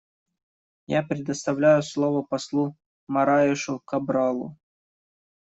Я предоставляю слово послу Мораешу Кабралу.